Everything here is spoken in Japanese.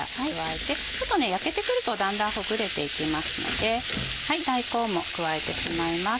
焼けてくるとだんだんほぐれていきますので大根も加えてしまいます。